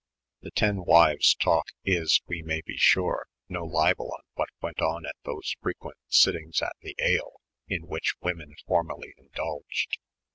The Ten Wives' Talk is, we may be sure, no libel on what went on at those frequent sittings 'at the tde' in which women formerly indulged.